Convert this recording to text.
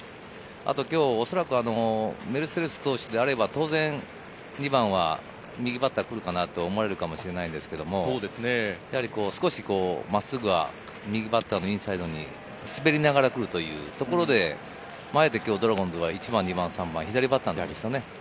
今日おそらくメルセデス投手であれば当然、２番は右バッター来るかなと思われるかもしれませんけど、少し真っすぐは右バッターの右サイドに滑りながら来るというところで、あえてドラゴンズは１番、２番、３番、左バッターですね。